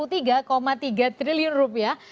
tiga tiga triliun rupiah